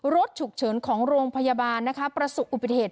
รถฉุกเฉินของโรงพยาบาลประสุดอุบิโภคเทศ